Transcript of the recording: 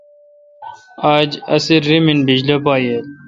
اج اسی ریمن بجلی پا ییل۔